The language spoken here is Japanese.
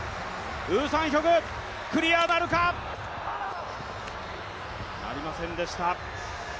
ウ・サンヒョク、クリアなりませんでした。